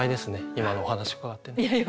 今のお話伺ってね。